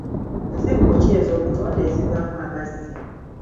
Nsibuko ki ez'obutonde ezivaamu amazzi?